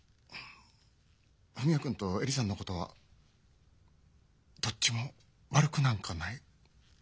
文也君と恵里さんのことはどっちも悪くなんかない。